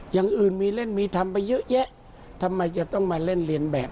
อย่างอื่นมีเล่นมีทำไปเยอะแยะทำไมจะต้องมาเล่นเรียนแบบ